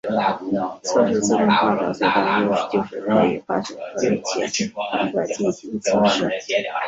测试自动化的最大优势就是可以快速而且反覆的进行测试。